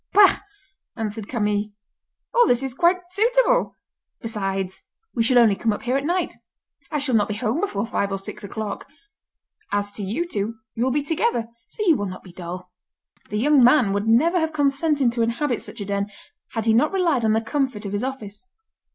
"Bah!" answered Camille, "all this is quite suitable. Besides, we shall only come up here at night. I shall not be home before five or six o'clock. As to you two, you will be together, so you will not be dull." The young man would never have consented to inhabit such a den, had he not relied on the comfort of his office.